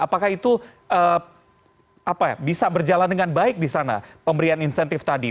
apakah itu bisa berjalan dengan baik di sana pemberian insentif tadi